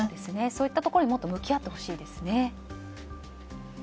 そういったところに向き合ってほしいですね。